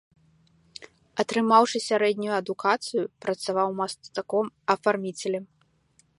Атрымаўшы сярэднюю адукацыю, працаваў мастаком-афарміцелем.